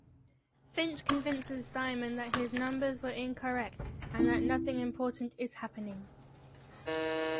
Finch convinces Simon that his numbers were incorrect and that nothing important is happening.